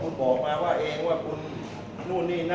มันเป็นสิ่งที่เราไม่รู้สึกว่า